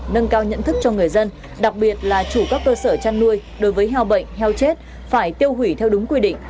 nâng cao nhận thức cho người dân đặc biệt là chủ các cơ sở chăn nuôi đối với heo bệnh heo chết phải tiêu hủy theo đúng quy định